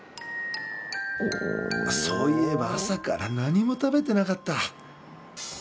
そういえば朝から何も食べてなかった。